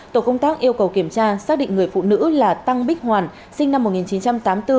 tổ công tác yêu cầu kiểm tra xác định người phụ nữ là tăng bích hoàn sinh năm một nghìn chín trăm tám mươi bốn